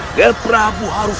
nger prabu harus